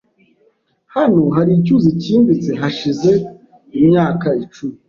Hano hari icyuzi cyimbitse hashize imyaka icumi .